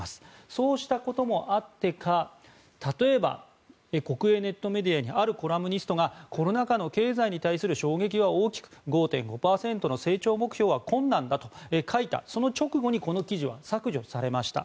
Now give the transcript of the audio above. そうしたこともあってか例えば、国営ネットメディアのあるコラムニストがコロナ禍の経済に対する衝撃は大きく５．５％の成長目標は困難だと書いたその直後にこの記事は削除されました。